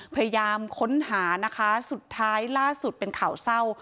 พยายามค้นหานะคะสุดท้ายล่าสุดเป็นข่าวเศร้า